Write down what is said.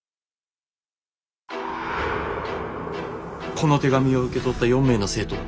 「この手紙を受け取った４名の生徒は」。